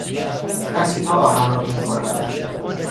اسیدها آهن را میخورند.